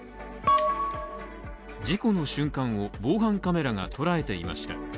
事故の瞬間を防犯カメラが捉えていました。